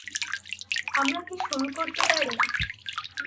আমরা কি শুরু করতে পারি?